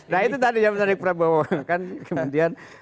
nah itu tadi yang menarik prabowo kan